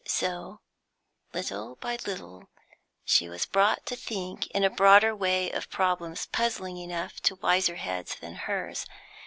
So, little by little, she was brought to think in a broader way of problems puzzling enough to wiser heads than hers.